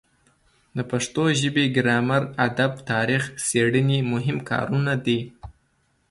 د پښتو ژبې ګرامر ادب تاریخ څیړنې مهم کارونه دي.